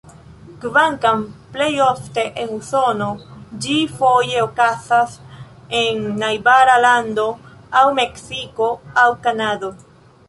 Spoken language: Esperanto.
Kvankam plejofte en Usono, ĝi foje okazas en najbara lando, aŭ Meksiko aŭ Kanado.